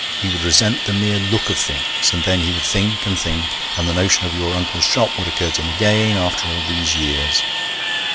He would resent the mere look of things, and then he would think and think, and the notion of your uncle's shop would occur to him again, after all these years.